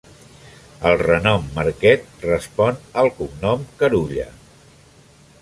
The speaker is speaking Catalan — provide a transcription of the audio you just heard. El renom Marquet respon al cognom Carulla.